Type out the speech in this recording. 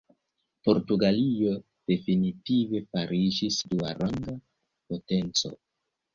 Portugalio definitive fariĝis duaranga potenco.